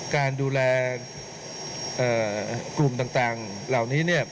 การดูแลกลุ่มต่างเหล่านี้เนี่ย